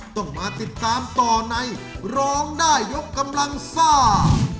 ต้องมาติดตามต่อในร้องได้ยกกำลังซ่า